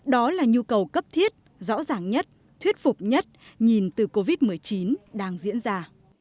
đó là nhu cầu cấp thiết rõ ràng nhất thuyết phục nhất nhìn từ covid một mươi chín đang diễn ra